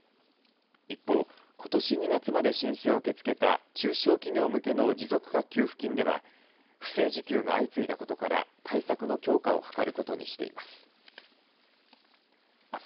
一方、ことし２月まで申請を受け付けた中小企業向けの持続化給付金では不正受給が相次いだことから対策の強化を図ることにしています。